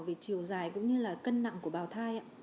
về chiều dài cũng như là cân nặng của bào thai ạ